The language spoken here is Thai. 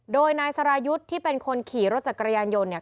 โดยนายสรายุทธ์ที่เป็นคนขี่รถจักรยานยนต์เนี่ย